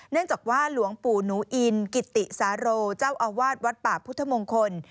เนื่องจากว่าหลวงปู่หนูอินกิติสาโรเจ้าอาวาสวัดป่าพุทธมงคล